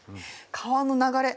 川の流れ